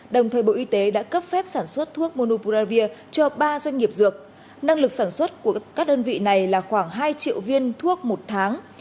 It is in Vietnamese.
đồng thời bộ y tế đã cấp phép sản xuất thuốc monobravir cho ba doanh nghiệp dược năng lực sản xuất của các đơn vị này là khoảng hai triệu viên thuốc một tháng